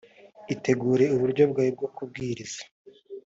utegura uburyo bwawe bwo kubwiriza